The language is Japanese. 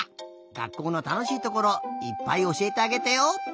学校のたのしいところいっぱいおしえてあげてよ！